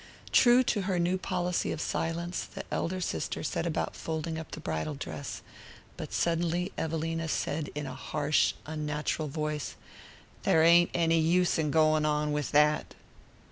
True to her new policy of silence, the elder sister set about folding up the bridal dress; but suddenly Evelina said in a harsh unnatural voice: "There ain't any use in going on with that."